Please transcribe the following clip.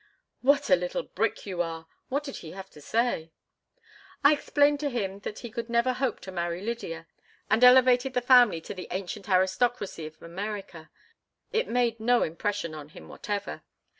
"What a little brick you are! What did he have to say?" "I explained to him that he could never hope to marry Lydia, and elevated the family to the ancient aristocracy of America. It made no impression on him whatever.